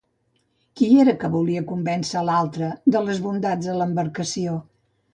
Qui era que volia convèncer a l'altre de les bondats de l'embarcació?